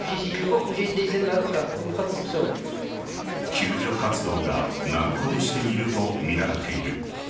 救助活動が難航しているとみられている。